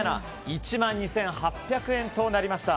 １万２８００円となりました。